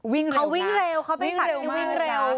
เขาวิ่งเร็วเขาเป็นศัตรูวิ่งเร็ว